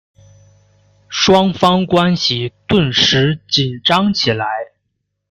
双方关系顿时紧张起来。